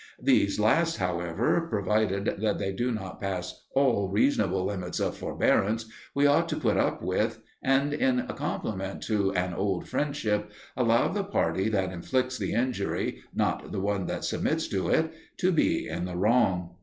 These last, however, provided that they do not pass all reasonable limits of forbearance, we ought to put up with, and, in compliment to an old friendship, allow the party that inflicts the injury, not the one that submits to it, to be in the wrong.